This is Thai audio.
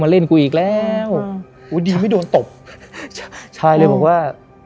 มาเล่นกูอีกแล้วอุ้ยดีไม่โดนตบใช่เลยหรือว่า